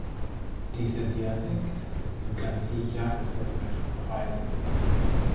Dieser Dialekt ist in ganz Yiyang sehr weit verbreitet.